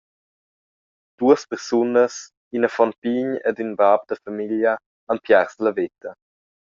Duas persunas –in affon pign ed in bab da famiglia –han piars la veta.